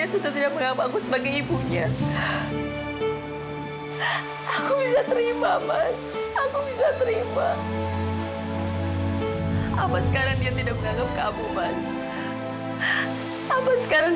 selama hidup kamu kamu sangat menyayangi amira